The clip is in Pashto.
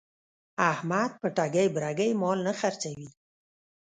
احمد په ټګۍ برگۍ مال نه خرڅوي.